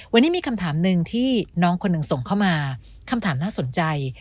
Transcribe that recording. วันนี้มีคำถามหนึ่งที่น้องคนหนึ่งส่งเข้ามาคำถามน่าสนใจ